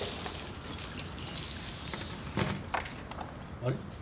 あれ？